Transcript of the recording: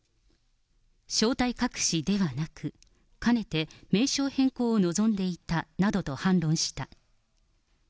正体隠しではなく、かねて名称変更を望んでいたなどと反論した。